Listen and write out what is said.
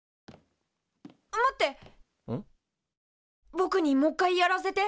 ぼくにもう一回やらせて。